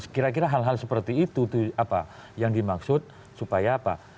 kira kira hal hal seperti itu apa yang dimaksud supaya apa